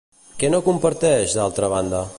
Què no comparteix, d'altra banda?